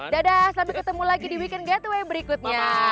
dadah sampai ketemu lagi di weekend gateway berikutnya